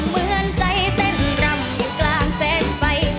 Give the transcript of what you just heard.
เหมือนใจเต้นรำอยู่กลางแสงไฟ